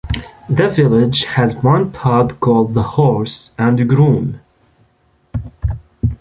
The village has one pub called The Horse and Groom.